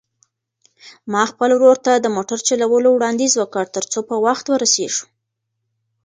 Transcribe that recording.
ما خپل ورور ته د موټر چلولو وړاندیز وکړ ترڅو په وخت ورسېږو.